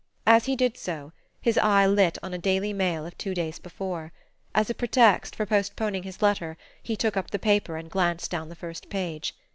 As he did so, his eye lit on a Daily Mail of two days before. As a pretext for postponing his letter, he took up the paper and glanced down the first page.